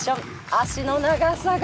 足の長さが。